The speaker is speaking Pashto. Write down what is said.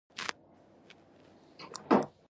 د قبر په باب یې پوښتنې کولې.